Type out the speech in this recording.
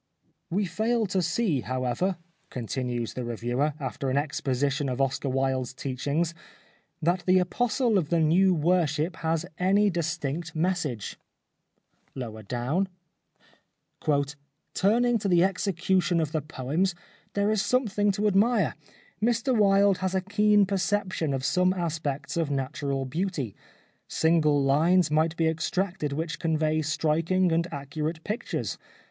" We fail to see however," continues the reviewer, after an exposition of Oscar Wilde's teachings, " that the apostle of the new worship has any distinct 183 The Life of Oscar Wilde message." Lower down^ " Turning to the exe cution of the poems there is something to ad mire. Mr Wilde has a keen perception of some aspects of natural beauty. Single lines might be extracted which convey striking and accurate pictures.